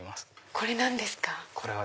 これ何ですか？